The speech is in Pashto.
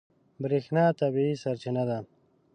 برېښنا طبیعي سرچینه ده.